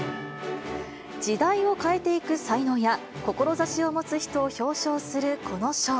時代を変えていく才能や、志を持つ人を表彰する、この賞。